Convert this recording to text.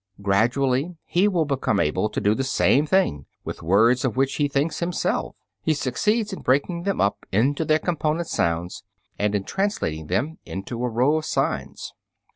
Gradually he will become able to do the same thing with words of which he thinks himself; he succeeds in breaking them up into their component sounds, and in translating them into a row of signs.